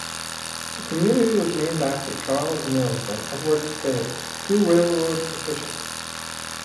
The community was named after Charles Mills and Edward Fay, two railroad officials.